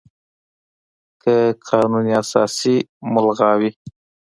که قانون اساسي ملغا وي،